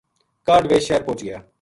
کاہڈ ویہ شہر پوہچ گیا